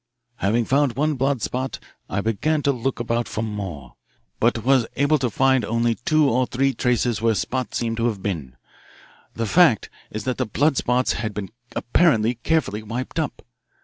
"Having found one blood spot, I began to look about for more, but was able to find only two or three traces where spots seemed to have been. The fact is that the blood spots had been apparently carefully wiped up.